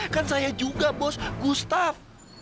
kan saya juga bos gustaf